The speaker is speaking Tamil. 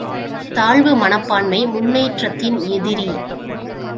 தாழ்வு மனப்பான்மை முன்னேற்றத்தின் எதிரி.